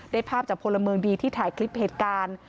ภาพจากพลเมืองดีที่ถ่ายคลิปเหตุการณ์